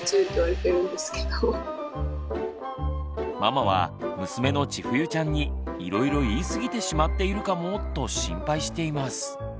ママは娘のちふゆちゃんに「いろいろ言い過ぎてしまっているかも」と心配しています。